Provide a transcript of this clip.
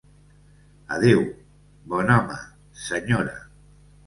Adeu, bon home, senyora.